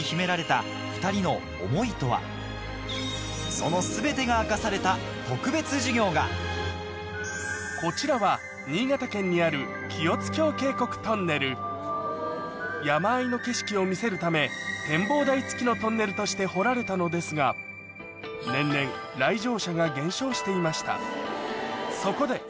その全てが明かされたこちらは山あいの景色を見せるため展望台付きのトンネルとして掘られたのですが年々来場者が減少していました